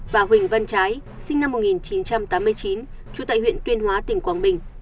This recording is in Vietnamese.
và huỳnh văn trái sinh năm một nghìn chín trăm tám mươi chín trú tại huyện tuyên hóa tỉnh quảng bình